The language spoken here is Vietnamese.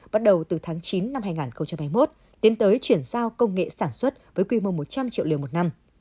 bắt đầu từ tháng chín năm hai nghìn hai mươi một tiến tới chuyển giao công nghệ sản xuất với quy mô một trăm linh triệu liều một năm